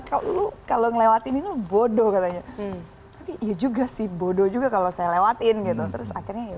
kalau lo kalau ngelewatin bodoh katanya tapi iya juga sih bodoh juga kalau saya lewatin gitu terus